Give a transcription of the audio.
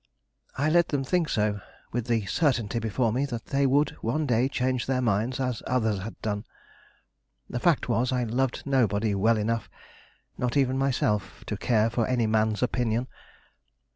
I let them think so, with the certainty before me that they would one day change their minds as others had done. The fact was, I loved nobody well enough, not even myself, to care for any man's opinion.